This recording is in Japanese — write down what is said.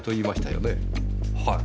はい。